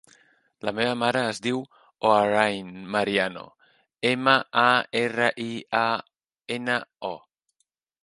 La meva mare es diu Hoorain Mariano: ema, a, erra, i, a, ena, o.